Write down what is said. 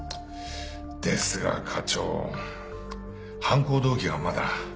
ですが課長犯行動機がまだ。